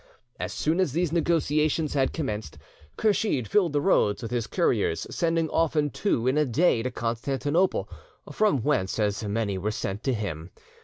As soon as these negotiations, had commenced, Kursheed filled the roads with his couriers, sending often two in a day to Constantinople, from whence as many were sent to him.